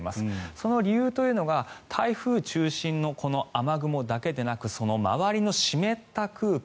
その理由というのが台風中心のこの雨雲だけでなくその周りの湿った空気